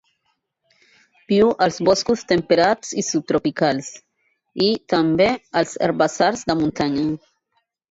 Viu als boscos temperats i subtropicals, i, també, als herbassars de muntanya.